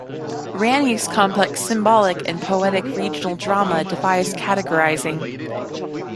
Reaney's complex symbolic and poetic regional drama defies categorizing.